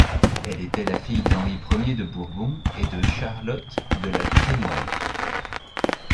Elle était la fille d'Henri I de Bourbon et de Charlotte de La Trémoille.